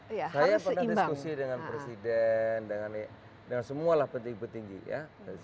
saya pernah diskusi dengan presiden dengan semua petinggi petinggi ya